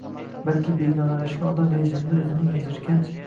balki begonalashgan odam rejimni o‘zining jirkanch